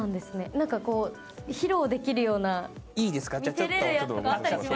なんか披露できるような見せれるやつとかあったりします？